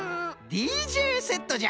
ＤＪセットじゃ！